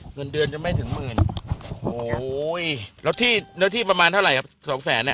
เงินเดือนจะไม่ถึงหมื่นโอ้โหแล้วที่เนื้อที่ประมาณเท่าไหร่ครับสองแสนอ่ะ